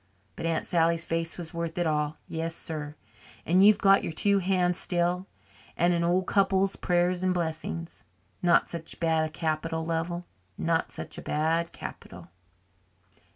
But Aunt Sally's face was worth it all yes, sir. And you've got your two hands still and an old couple's prayers and blessings. Not such a bad capital, Lovell, not such a bad capital."